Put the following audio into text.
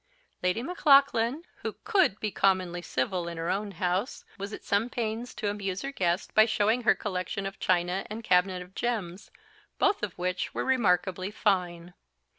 Lady Maclaughlan, who _could _be commonly civil in her own house, was at some pains to amuse her guest by showing her collection of china and cabinet of gems, both of which were remarkably fine.